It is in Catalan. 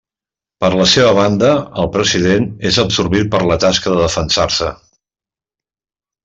Per la seva banda, el president és absorbit per la tasca de defensar-se.